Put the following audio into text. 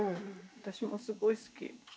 私もすごい好き。